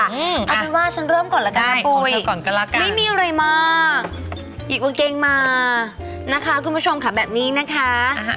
เอาเป็นว่าฉันเริ่มก่อนแล้วกันนะปุ๋ยไม่มีอะไรมากหยิบกางเกงมานะคะคุณผู้ชมค่ะแบบนี้นะคะ